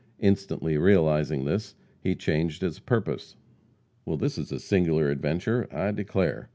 Instantly realizing this, he changed his purpose. "Well, this is a singular adventure, I declare.